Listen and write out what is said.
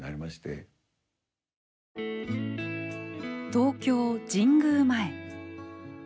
東京・神宮前。